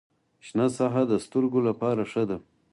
شنه ساحه د سترګو لپاره ښه ده.